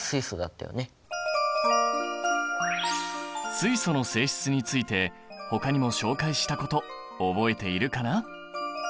水素の性質についてほかにも紹介したこと覚えているかな？